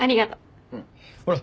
うん。ほら。